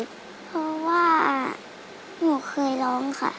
เพราะว่าหนูเคยร้องค่ะ